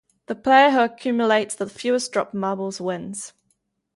The player who accumulates the fewest dropped marbles wins.